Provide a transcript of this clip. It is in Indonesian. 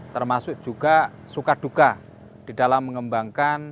termasuk juga suka duka di dalam mengembangkan